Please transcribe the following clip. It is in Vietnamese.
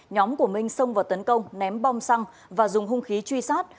nhóm của minh xông vào tấn công ném bom xăng và dùng hung khí truy sát